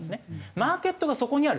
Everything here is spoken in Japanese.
マーケットがそこにある。